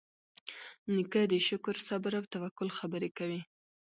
نیکه د شکر، صبر، او توکل خبرې کوي.